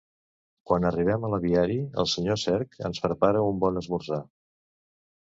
Quan arribem a l'aviari el senyor Cerc ens prepara un bon esmorzar.